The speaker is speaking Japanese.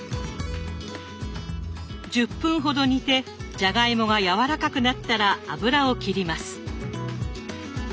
１０分ほど煮てじゃがいもがやわらかくなったら油を切ります。